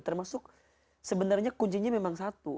termasuk sebenarnya kuncinya memang satu